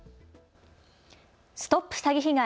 ＳＴＯＰ詐欺被害！